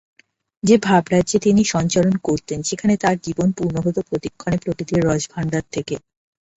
যে ভাবরাজ্যে তিনি সঞ্চরণ করতেন সেখানে তাঁর জীবন পূর্ণ হত প্রতিক্ষণে প্রকৃতির রসভাণ্ডার থেকে।